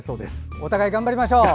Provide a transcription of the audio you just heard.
お互い頑張りましょう。